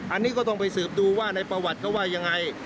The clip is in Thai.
อันนี้ก็ต้องไปสืบดูว่าในประวัติเขาว่ายังไง